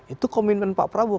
itu komitmen pak prabowo